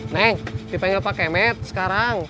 neng dipanggil pak kemet sekarang